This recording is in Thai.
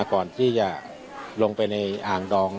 ก่อนที่จะลงไปในอ่างดอง